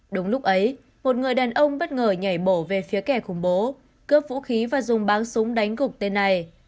đúng lúc ấy một người đàn ông bất ngờ nhảy bổ về phía kẻ khủng bố cướp vũ khí và dùng báng súng đánh cục tên này